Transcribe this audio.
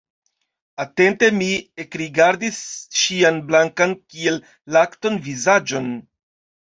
Atente mi ekrigardis ŝian blankan kiel lakton vizaĝon.